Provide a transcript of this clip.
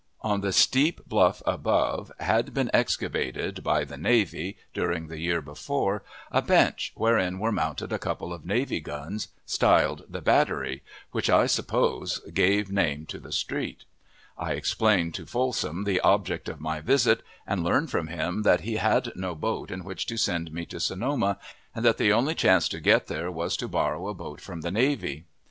On the steep bluff above had been excavated, by the navy, during the year before, a bench, wherein were mounted a couple of navy guns, styled the battery, which, I suppose, gave name to the street. I explained to Folsom the object of my visit, and learned from him that he had no boat in which to send me to Sonoma, and that the only, chance to get there was to borrow a boat from the navy.